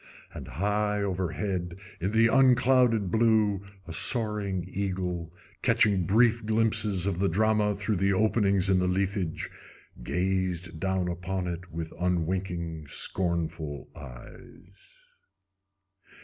And high overhead, in the unclouded blue, a soaring eagle, catching brief glimpses of the drama through the openings in the leafage, gazed down upon it with unwinking, scornful eyes.